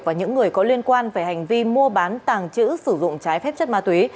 và những người có liên quan về hành vi mua bán tàng trữ sử dụng trái phép chất ma túy